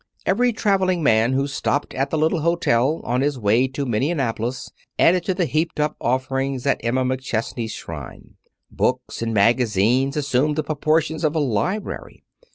Every traveling man who stopped at the little hotel on his way to Minneapolis added to the heaped up offerings at Emma McChesney's shrine. Books and magazines assumed the proportions of a library.